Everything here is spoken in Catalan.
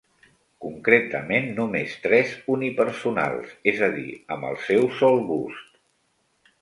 Concretament només tres unipersonals, és a dir amb el seu sol bust.